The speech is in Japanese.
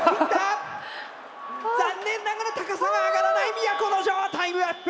残念ながら高さが上がらない都城タイムアップ！